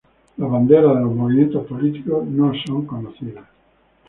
Las banderas de los movimientos políticos no son conocidas.